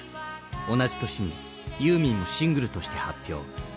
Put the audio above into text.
同じ年にユーミンもシングルとして発表。